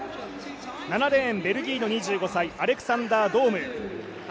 ７レーン、ベルギーの２５歳アレクサンダー・ドーム。